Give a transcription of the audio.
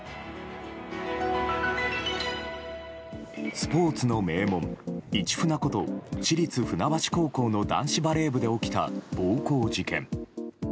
スポーツの名門・市船こと市立船橋高校の男子バレー部で起きた暴行事件。